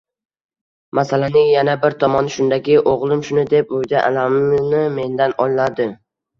Masalaning yana bir tomoni shundaki, o‘g‘lim shuni deb uyda alamini mendan oladi.